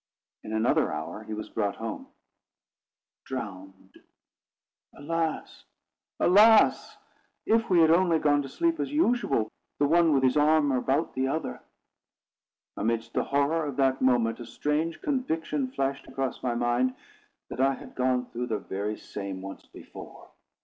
In another hour, he was brought home drowned. Alas! alas! if we had only gone to sleep as usual, the one with his arm about the other! Amidst the horror of the moment, a strange conviction flashed across my mind, that I had gone through the very same once before.